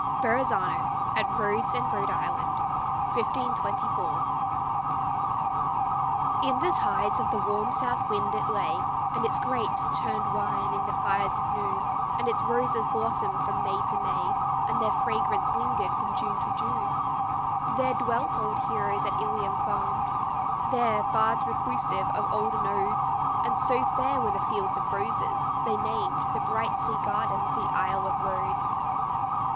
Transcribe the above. VERAZZANO AT RHODES AND RHODE ISLAND In the tides of the warm south wind it lay, And its grapes turned wine in the fires of noon, And its roses blossomed from May to May, And their fragrance lingered from June to June. There dwelt old heroes at Ilium famed, There, bards reclusive, of olden odes; And so fair were the fields of roses, they named The bright sea garden the Isle of Rhodes.